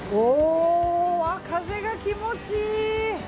風が気持ちいい！